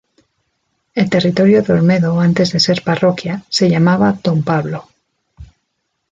El territorio de Olmedo antes de ser Parroquia se llamaba Don Pablo.